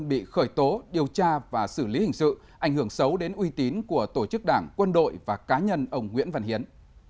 bị khởi tố điều tra và xử lý hình sự ảnh hưởng xấu đến uy tín của tổ chức đảng quân đội và cá nhân ông nguyễn văn hiến